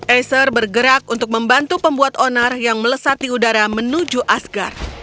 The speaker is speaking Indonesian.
acer bergerak untuk membantu pembuat onar yang melesat di udara menuju asgar